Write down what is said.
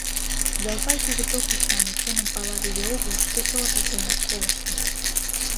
Ялпай тӱвыт ок ӱшане — чыным пала веле огыл, шке пылышыж денак колыштын.